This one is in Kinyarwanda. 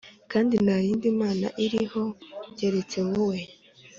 kandi nta yindi mana iriho keretse wowe